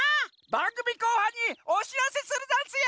ばんぐみこうはんにおしらせするざんすよ！